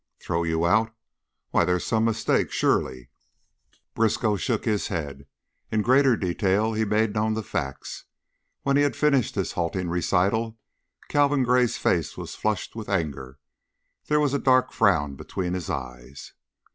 Throw you out? Why, there's some mistake, surely!" Briskow shook his head; in greater detail he made known the facts. When he had finished his halting recital Calvin Gray's face was flushed with anger, there was a dark frown between his eyes.